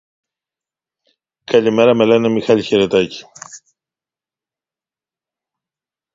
A keyspace partitioning scheme splits ownership of this keyspace among the participating nodes.